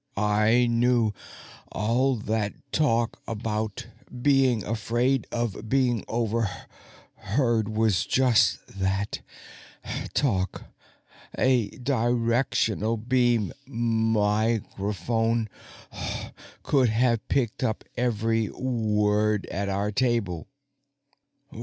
"I knew all that talk about being afraid of being overheard was just that talk. A directional beam microphone could have picked up every word at our table.